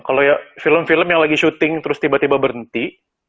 kalau ya film film yang lagi syuting terus tiba tiba berhenti